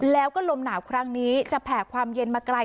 แล้วก็ลมหนาวครั้งนี้จะแผ่ความเย็นมาไกล